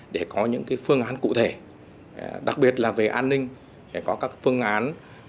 về phương án cụ thể đặc biệt là về an ninh có các phương án